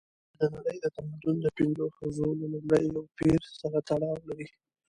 چې د نړۍ د تمدن د پنځو حوزو له لومړي پېر سره تړاو لري.